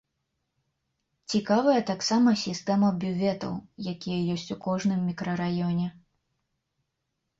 Цікавая таксама сістэма бюветаў, якія ёсць у кожным мікрараёне.